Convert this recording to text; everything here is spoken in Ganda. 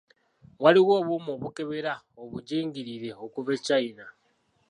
Waliwo obuuma obukebera obugingirire okuva e China.